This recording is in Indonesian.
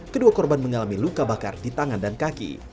kedua korban mengalami luka bakar di tangan dan kaki